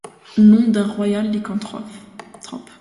Nom d’un royal lycanthrope…